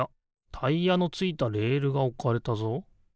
タイヤのついたレールがおかれたぞ。